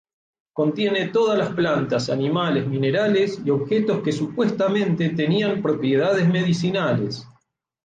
Contiene todas las plantas, animales, minerales y objetos que supuestamente tenían propiedades medicinales.